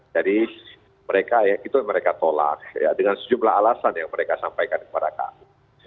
jadi mereka itu yang mereka tolak dengan sejumlah alasan yang mereka sampaikan kepada kami